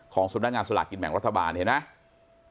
ของสมดัติงานสละกิจแหม่งรัฐบาลเห็นไหม